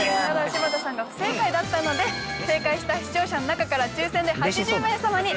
柴田さんが不正解だったので正解した視聴者の中から抽選で８０名様に。